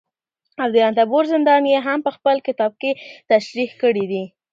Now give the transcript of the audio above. او د رنتبور زندان يې هم په خپل کتابکې تشريح کړى دي